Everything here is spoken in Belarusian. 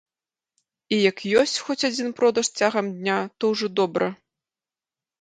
І як ёсць хоць адзін продаж цягам дня, то ўжо добра.